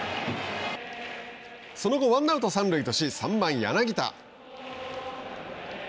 その後ワンアウト、三塁とし３番柳田。